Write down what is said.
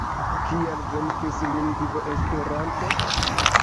Kial venkis lingvo Esperanto?